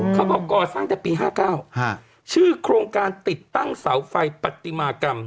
ก่อสร้างแต่ปี๕๙ชื่อโครงการติดตั้งเสาไฟปฏิมากรรม